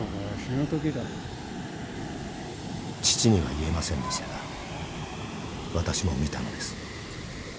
［父には言えませんでしたが私も見たのです］